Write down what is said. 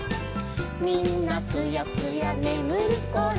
「みんなすやすやねむるころ」